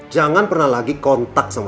jangan pernah lagi kontak sama